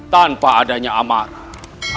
tanpa adanya amarah